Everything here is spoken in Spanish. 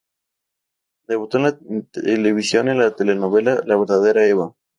Debutó en la televisión en la telenovela "La verdadera Eva".